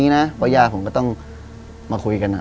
เพราะยาผมก็ต้องมาคุยกัน